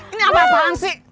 ini apa apaan sih